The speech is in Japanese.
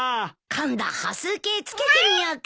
今度歩数計つけてみようか。